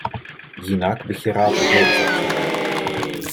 Jinak bych je rád viděl uzavřené.